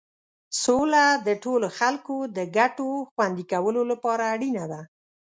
سوله د ټولو خلکو د ګټو خوندي کولو لپاره اړینه ده.